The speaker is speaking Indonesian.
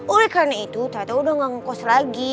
oleh karena itu tata udah gak ngukus lagi